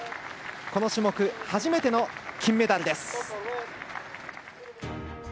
この種目、初めての金メダルです。